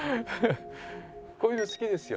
こういうの好きですよ。